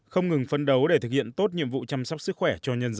không ngừng phấn đấu để thực hiện tốt nhiệm vụ chăm sóc sức khỏe cho nhân dân